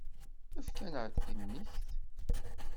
Efk-aneɣ-d timikt.